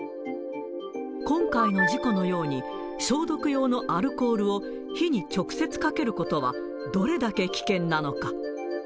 今回の事故のように、消毒用のアルコールを火に直接かけることは、どれだけ危険なのか。